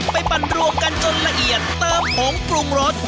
ปั่นรวมกันจนละเอียดเติมผงปรุงรส